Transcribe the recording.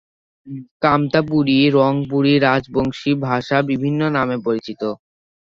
কামতাপুরী/রংপুরী/রাজবংশী ভাষা বিভিন্ন নামে পরিচিত।